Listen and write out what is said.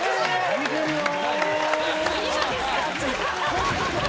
見てるよー。